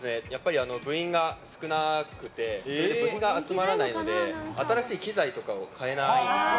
部員が少なくて部費が集まらないので新しい機材とかを買えないんですよ。